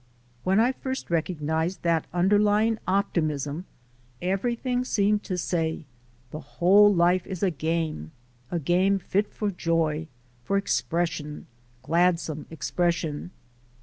When I first recognized 292THE SOUL OF AN IMMIGRANT that underlying optimism everything seemed to say: "The whole of life is a game, a game fit for joy, for expression, gladsome expression."